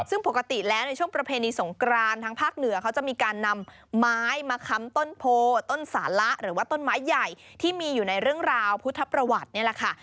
ซึ่งปกติแล้วในช่วงประเพณีสงกรานทางภาคเหนือเขาจะมีการนำไม้มาค้ำต้นโพต้นสาระหรือว่าต้นไม้ใหญ่ที่มีอยู่ในเรื่องราวพุทธประวัตินี่แหละค่ะ